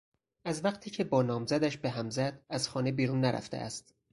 از وقتی که با نامزدش به هم زد از خانه بیرون نرفته است.